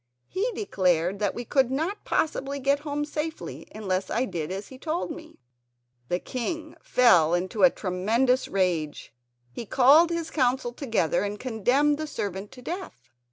He declared that we could not possibly get home safely unless I did as he told me." The old king fell into a tremendous rage. He called his Council together and condemned the servant to death.